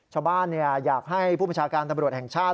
อยากให้ผู้ประชาการตำรวจแห่งชาติ